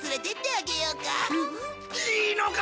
いいのか？